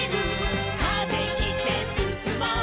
「風切ってすすもう」